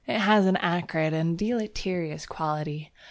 "It has an acrid and deleterious quality.